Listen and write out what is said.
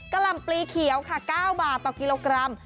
หล่ำปลีเขียวค่ะ๙บาทต่อกิโลกรัม